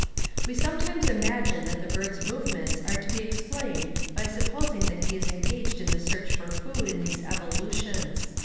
We sometimes imagine that the bird's movements are to be explained by supposing that he is engaged in the search for food in these evolutions.